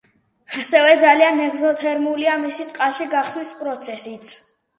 ასევე ძალიან ეგზოთერმულია მისი წყალში გახსნის პროცესიც.